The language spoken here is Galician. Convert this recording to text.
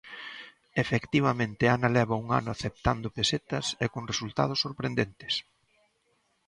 Efectivamente, Ana leva un ano aceptando pesetas, e con resultados sorprendentes.